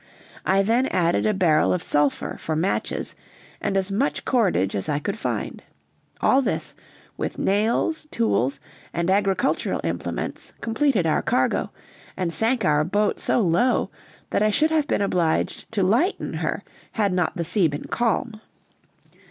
I then added a barrel of sulphur for matches, and as much cordage as I could find. All this with nails, tools, and agricultural implements completed our cargo, and sank our boat so low that I should have been obliged to lighten her had not the sea been calm.